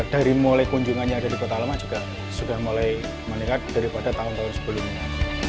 dari mulai kunjungannya ada di kota lama juga sudah mulai meningkat daripada tahun tahun sebelumnya